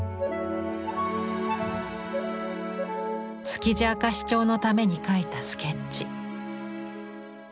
「築地明石町」のために描いたスケッチ。